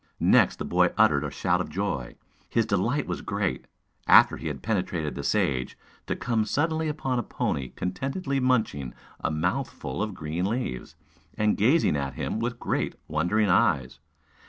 Next, the boy uttered a shout of joy. His delight was great, after he had penetrated the sage, to come suddenly upon a pony contentedly munching a mouthful of green leaves, and gazing at him with great wondering eyes.